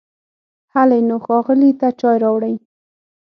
هلی نو، ښاغلي ته چای راوړئ!